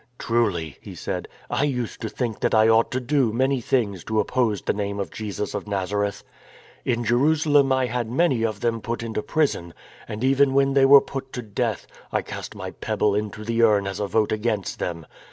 " Truly," he said, " I used to think that I ought to do many things to oppose the name of Jesus of Nazareth. In Jerusalem I had many of them put into prison — and even when they were put to death, I cast my pebble into the urn as a vote against them.